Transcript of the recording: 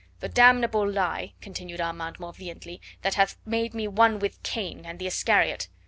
"The damnable lie," continued Armand more vehemently, "that hath made me one with Cain and the Iscariot.